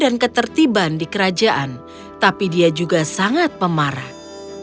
dia juga sangat memperkenalkan dan ketertiban di kerajaan tapi dia juga sangat pemarah